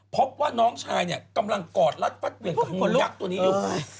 พบว่าน้องชายเนี่ยกำลังกอดรัดฟัดเหวี่ยงกับเงินยักษ์ตัวนี้อยู่